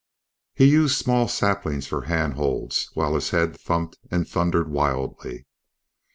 He used small saplings for handholds while his head thumped and thundered wildly.